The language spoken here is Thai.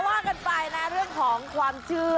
ว่ากันไปนะเรื่องของความเชื่อ